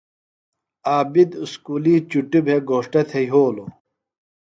عابد اُسکُلیۡ چُٹیۡ بھےۡ گھوݜٹہ تھےۡ یھولوۡ ۔